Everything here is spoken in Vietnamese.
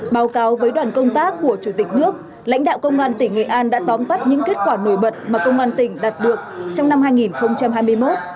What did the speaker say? báo cáo với đoàn công tác của chủ tịch nước lãnh đạo công an tỉnh nghệ an đã tóm tắt những kết quả nổi bật mà công an tỉnh đạt được trong năm hai nghìn hai mươi một